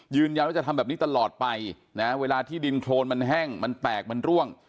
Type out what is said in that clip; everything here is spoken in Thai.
ยืนยันว่าจะทำแบบนี้ตลอดไปนะเวลาที่ดินโครนมันแห้งมันแตกมันร่วง